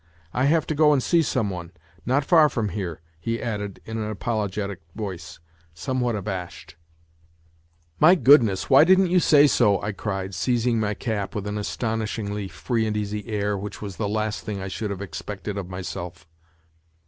I have to go and see some one ... not far from here," he added in an apologetic voice, somewhat abashed NOTES FROM UNDERGROUND 101 " My goodness, why didn't you say so ?" I cried, seizing my cap, with an astonishingly free and easy air, which was the last thing I should have expected of myself.